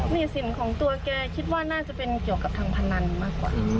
หนี้สินของตัวแกคิดว่าน่าจะเป็นเกี่ยวกับทางพนันมากกว่า